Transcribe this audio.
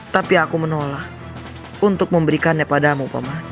tapi aku menolak untuk memberikannya padamu upama